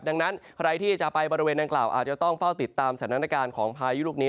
ดังนั้นใครที่จะไปบริเวณนางกล่าวอาจจะต้องเฝ้าติดตามสถานการณ์ของพายุลูกนี้